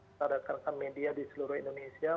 secara terkata media di seluruh indonesia